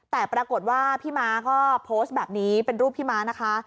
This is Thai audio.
แต่ปรากฏว่าพี่ม้าก็โพสต์แบบนี้เป็นรูปพี่ม้านะคะ